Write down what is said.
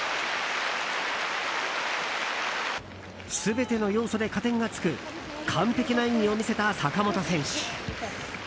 全ての要素で加点がつく完璧な演技を見せた坂本選手。